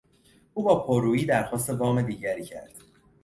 او با پررویی درخواست وام دیگری کرد.